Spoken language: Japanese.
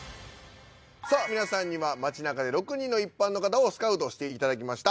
さあ皆さんには街なかで６人の一般の方をスカウトしていただきました。